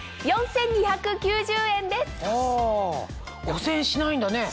５０００円しないんだね。